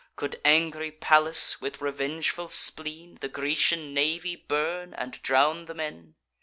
Could angry Pallas, with revengeful spleen, The Grecian navy burn, and drown the men?